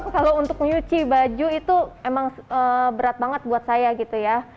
kalau untuk nyuci baju itu emang berat banget buat saya gitu ya